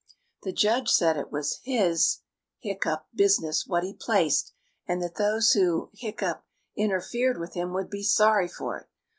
The judge said it was his (hiccough) business what he placed, and that those who (hiccough) interfered with him would be sorry for it.